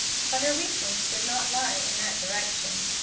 But her weaknesses did not lie in that direction.